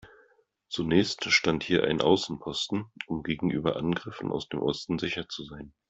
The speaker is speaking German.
Zunächst stand hier ein Außenposten, um gegenüber Angriffen aus dem Osten sicher zu sein.